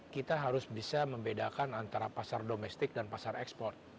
kita harus bisa membedakan antara pasar domestik dan pasar ekspor